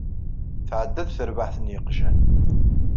Tɛedda-d terbaɛt n yiqjan.